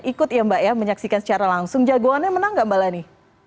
ikut ya mbak ya menyaksikan secara langsung jagoannya menang nggak mbak lani